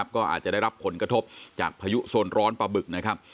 ก็อาจจะได้รับผลกระทบจากพยุค์ส้นร้อนประบึก